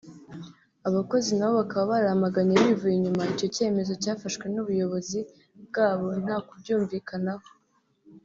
abakozi nabo bakaba baramaganye bivuye inyuma icyo cyemezo cyafashwe n’ubuyobozi bwabo nta ku byumvikanaho